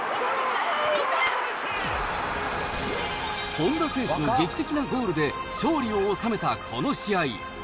本田選手の劇的なゴールで勝利を収めたこの試合。